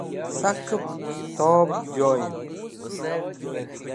Sakep Kitob Joyen